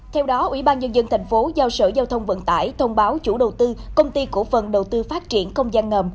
theo đó ubnd tp hcm giao sở giao thông vận tải thông báo chủ đầu tư công ty cổ phần đầu tư phát triển không gian ngầm